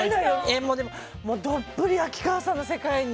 どっぷり秋川さんの世界に。